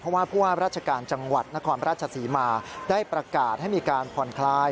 เพราะว่าผู้ว่าราชการจังหวัดนครราชศรีมาได้ประกาศให้มีการผ่อนคลาย